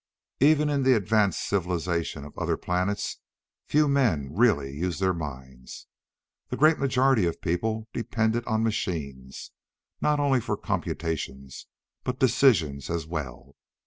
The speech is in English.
Even in the advanced civilization of other planets, few men really used their minds. The great majority of people depended on machines not only for computations but decisions as well.